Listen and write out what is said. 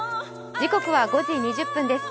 時刻は５時２０分です。